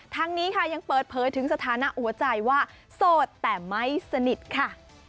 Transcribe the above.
ทั้งนี้ค่ะยังเปิดเผยถึงสถานะหัวใจว่าโสดแต่ไม่สนิทค่ะ